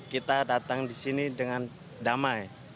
kita datang di sini dengan damai